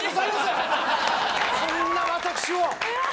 こんな私を。